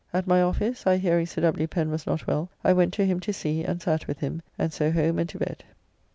At my office, I hearing Sir W. Pen was not well, I went to him to see, and sat with him, and so home and to bed.